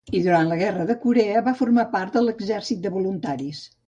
I durant la guerra de Corea va formar part de l'exèrcit de voluntaris.